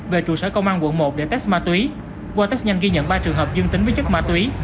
về trụ sở công an quận một để test ma túy qua test nhanh ghi nhận ba trường hợp dương tính với chất ma túy